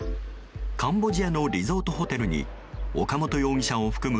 カンボジアのリゾートホテルに岡本容疑者を含む